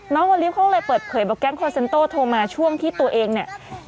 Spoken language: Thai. น้องโอลิฟเขาเลยเปิดเผยแบบแก๊งโคลเซ็นโต้โทรมาช่วงที่ตัวเองเนี่ย